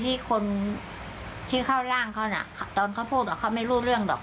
ที่คนที่เข้าร่างเขาน่ะตอนเขาพูดเขาไม่รู้เรื่องหรอก